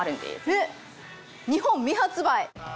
えっ！日本未発売？